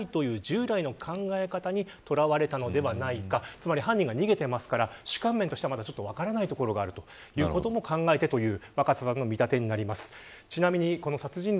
つまり犯人が逃げてますから主観面としては、まだ分からないところがあるという考えという見立てです。